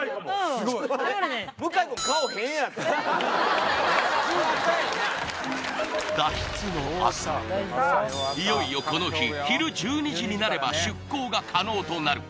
すごいいよいよこの日昼１２時になれば出航が可能となる